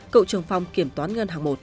cựu trường phong kiểm toán ngân hàng một